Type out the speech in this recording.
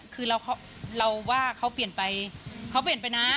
คือเราว่าเขาเปลี่ยนไปนะ